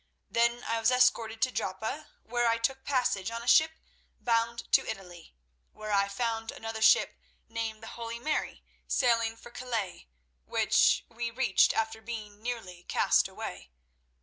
Then I was escorted to Joppa, where I took passage on a ship bound to Italy, where I found another ship named the Holy Mary sailing for Calais, which we reached after being nearly cast away.